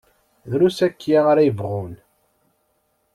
Drus akya ara yebɣun.